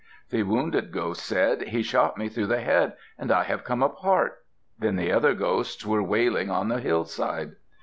The wounded ghost said, "He shot me through the head and I have come apart." Then the other ghosts were wailing on the hillside.